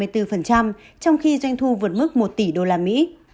trong khi doanh thu vượt mức một tỷ usd